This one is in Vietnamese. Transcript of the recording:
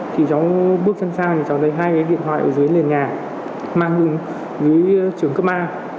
thì cháu bước chân sang thì cháu thấy hai cái điện thoại ở dưới lên nhà mang đường dưới trường cấp a